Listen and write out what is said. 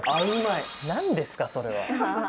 何ですかそれは。